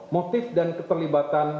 motif dan keterlibatan